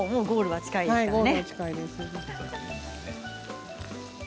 ゴールが近いです。